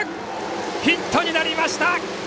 ヒットになりました！